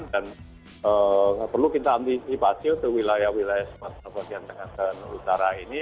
dan perlu kita antisipasi untuk wilayah wilayah sumatera bagian tengah dan utara ini